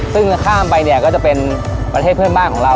ซึ่งถ้าข้ามไปเนี่ยก็จะเป็นประเทศเพื่อนบ้านของเรา